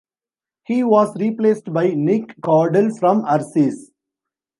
He was replaced by Nick Cordle from Arsis.